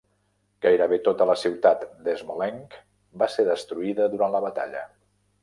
Gairebé tota la ciutat de Smolensk va ser destruïda durant la batalla.